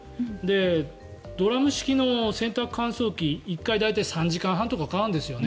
ドラム式の洗濯乾燥機１回大体３時間半とかかかるんですよね。